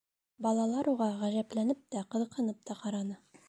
Балалар уға ғәжәпләнеп тә, ҡыҙыҡһынып та ҡараны.